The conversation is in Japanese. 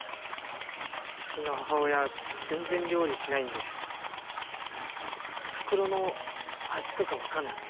うちの母親全然料理しないんでおふくろの味とか分かんなくて。